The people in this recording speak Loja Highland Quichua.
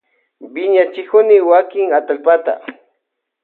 Wiñachikunimi wakin atallpata.